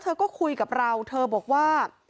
เธอก็คุยกับเราเธอบอกว่า